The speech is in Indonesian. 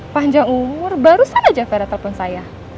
panjang umur barusan aja vera telpon saya